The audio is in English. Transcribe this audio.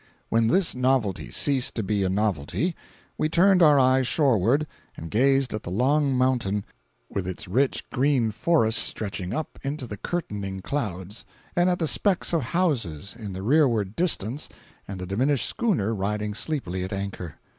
When this novelty ceased to be a novelty, we turned our eyes shoreward and gazed at the long mountain with its rich green forests stretching up into the curtaining clouds, and at the specks of houses in the rearward distance and the diminished schooner riding sleepily at anchor.